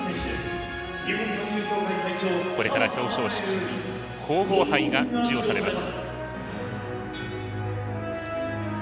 これから表彰式皇后杯が授与されます。